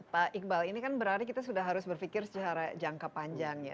pak iqbal ini kan berarti kita sudah harus berpikir secara jangka panjang ya